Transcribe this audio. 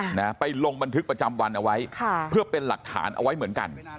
นะไปลงบันทึกประจำวันเอาไว้ค่ะเพื่อเป็นหลักฐานเอาไว้เหมือนกัน